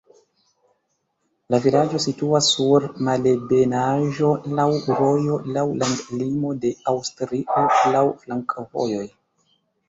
La vilaĝo situas sur malebenaĵo, laŭ rojo, laŭ landlimo de Aŭstrio, laŭ flankovojoj.